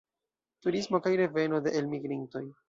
Turismo kaj reveno de elmigrintoj.